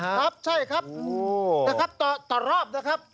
ครับใช่ครับต่อรอบนะครับ